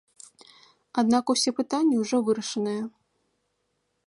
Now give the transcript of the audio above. Аднак усе пытанні ўжо вырашаныя.